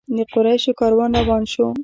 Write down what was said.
د قریشو کاروان روان شو.